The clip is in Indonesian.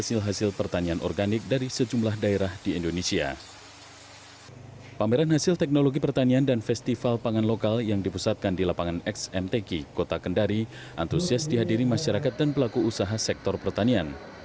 pembelajaran teknologi pertanian yang diperlukan oleh pertanian pertanian dan festival pangan lokal yang dipusatkan di lapangan xmtg kota kendari antusias dihadiri masyarakat dan pelaku usaha sektor pertanian